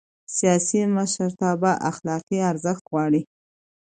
سیاسي مشرتابه اخلاقي ارزښت غواړي